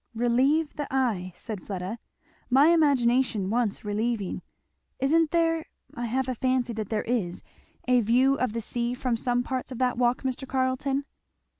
"Relieve the eye!" said Fleda, "my imagination wants relieving! Isn't there I have a fancy that there is a view of the sea from some parts of that walk, Mr. Carleton?"